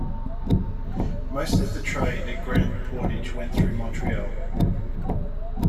Most of the trade at Grand Portage went through Montreal.